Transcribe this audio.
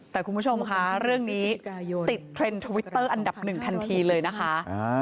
แต่คุณผู้ชมค่ะเรื่องนี้ติดเทรนด์ทวิตเตอร์อันดับหนึ่งทันทีเลยนะคะ